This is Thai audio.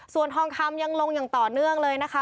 ส่วนทองคำยังลงอย่างต่อเนื่องเลยนะคะ